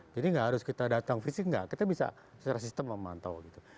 jadi nggak harus kita datang fisik nggak kita bisa secara sistem memantau